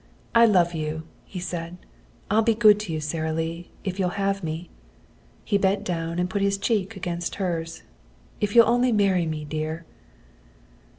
"I love you," he said. "I'll be good to you, Sara Lee, if you'll have me." He bent down and put his cheek against hers. "If you'll only marry me, dear."